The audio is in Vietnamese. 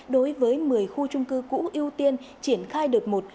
đối với một mươi khu trung cư cũ ưu tiên triển khai đợt một